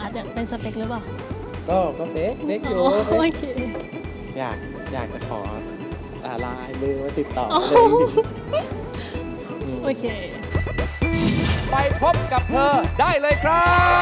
ช่วงนี้เศรษฐกิจมันซับก็หันมาซับเราได้นะคะ